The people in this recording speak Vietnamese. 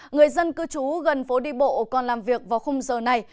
người dân cư trú gần phố đi bộ còn làm việc vào khung giờ này